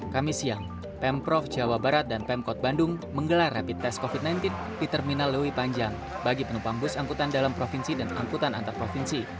kami siang pemprov jawa barat dan pemkot bandung menggelar rapid test covid sembilan belas di terminal lewi panjang bagi penumpang bus angkutan dalam provinsi dan angkutan antar provinsi